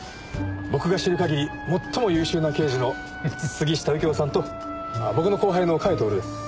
僕が知る限り最も優秀な刑事の杉下右京さんと僕の後輩の甲斐享です。